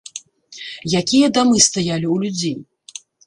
Якія дамы стаялі ў людзей!